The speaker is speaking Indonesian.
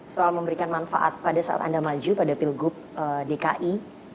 soal memberikan manfaat pada saat anda maju pada pilgub dki dua ribu tujuh belas